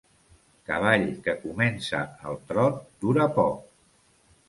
Cavall que comença al trot dura poc.